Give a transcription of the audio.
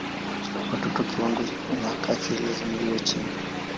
Kwa watoto kiwango na kasi lazima iwe chini.